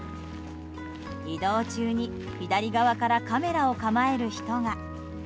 移動中に左側からカメラを構える人が。